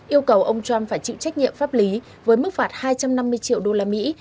yêu cầu ông trump phải chịu trách nhiệm pháp lý với mức phạt hai trăm năm mươi triệu đô la mỹ